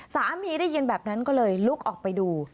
ได้ยินแบบนั้นก็เลยลุกออกไปดู